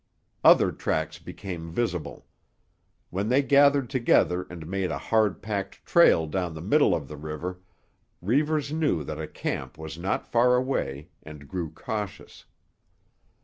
Other tracks became visible. When they gathered together and made a hard packed trail down the middle of the river, Reivers knew that a camp was not far away, and grew cautious.